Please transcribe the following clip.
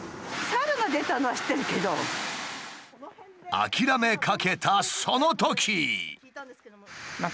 諦めかけたそのとき。